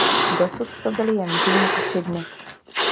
Dosud to byly jen Řím a Sydney.